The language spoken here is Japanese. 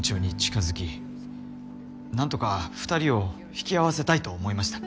よろしく何とか２人を引き合わせたと思いました。